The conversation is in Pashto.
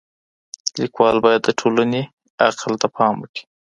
ليکوال بايد د ټولني عقل ته پام وکړي.